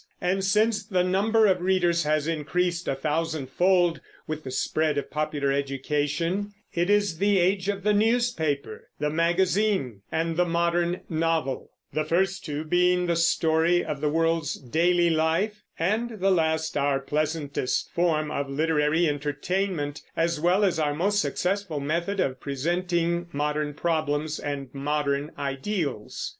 And since the number of readers has increased a thousandfold with the spread of popular education, it is the age of the newspaper, the magazine, and the modern novel, the first two being the story of the world's daily life, and the last our pleasantest form of literary entertainment, as well as our most successful method of presenting modern problems and modern ideals.